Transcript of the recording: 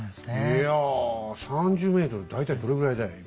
いや３０ｍ大体どれぐらいだい？